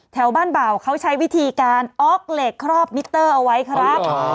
แถวบ้านบ่าวเขาใช้วิธีการอ๊อกเหล็กครอบมิเตอร์เอาไว้ครับ